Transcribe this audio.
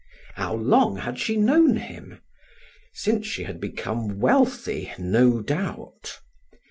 How long had she known him? Since she had become wealthy no doubt.